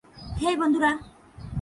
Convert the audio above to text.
হেই, বন্ধুরা।